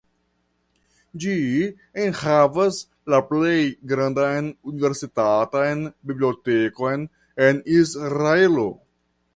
Ĝi enhavas la plej grandan universitatan bibliotekon en Israelo.